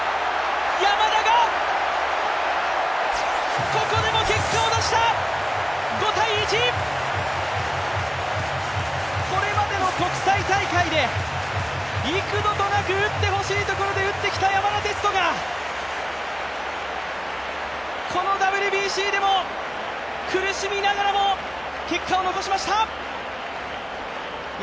山田がここでも結果を出した、５−１これまでの国際大会で幾度となく打ってほしいところで打ってきた山田哲人がこのＷＢＣでも苦しみながらも結果を残しました。